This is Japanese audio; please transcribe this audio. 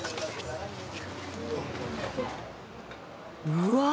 うわ！